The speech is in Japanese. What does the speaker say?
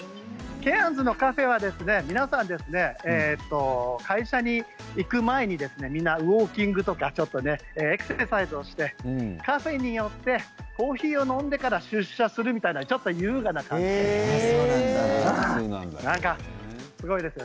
ケアンズのカフェは皆さん会社に行く前にウォーキングとかエクササイズをしてカフェに寄って、コーヒーを飲んでから出社するみたいなちょっと優雅な感じです。